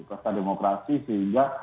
pesta demokrasi sehingga